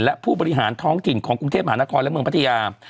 และผู้บริหารท้องถิ่นของกรุงเทพมหานครและเมืองพัทยา